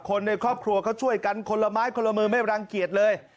คนในครอบครัวเขาช่วยกันคนละไม้คนละมือไม่รังเกียจเลย